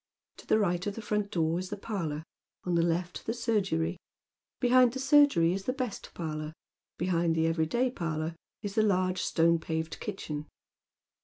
To the right of the front door is the parlour, on the left the surgery. Behind the surgery is the best parlour; behind the every day parlour is the large stone paved kitchen.